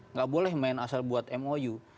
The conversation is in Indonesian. nggak boleh main asal buat mou